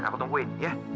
aku tungguin ya